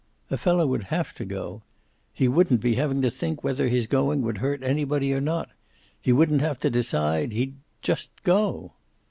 "A fellow would have to go. He wouldn't be having to think whether his going would hurt anybody or not. He wouldn't have to decide. He'd just go."